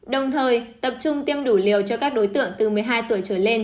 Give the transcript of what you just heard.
đồng thời tập trung tiêm đủ liều cho các đối tượng từ một mươi hai tuổi trở lên